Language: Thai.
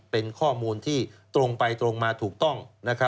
เป็นข้อมูลที่ตรงไปตรงมาถูกต้อง